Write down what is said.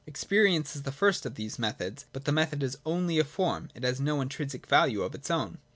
Experience is the first of these methods. But the method is only a form : it has no intrinsic value of its own.